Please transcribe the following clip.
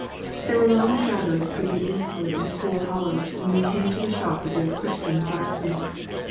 There were long shadows creeping eastward in the cool hollows when we came to the shop of old Christian the blacksmith.